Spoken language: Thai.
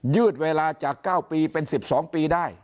ยืดเวลาจาก๙ปีเป็น๑๒ปีได้